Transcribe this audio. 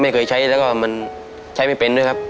ไม่เคยใช้แล้วก็มันใช้ไม่เป็นด้วยครับ